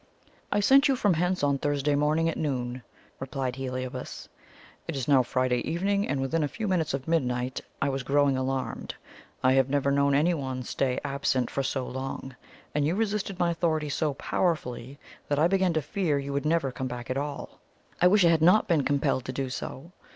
"I sent you from hence on Thursday morning at noon," replied Heliobas. "It is now Friday evening, and within a few minutes of midnight. I was growing alarmed. I have never known anyone stay absent for so long; and you resisted my authority so powerfully, that I began to fear you would never come back at all." "I wish I had not been compelled to do so!"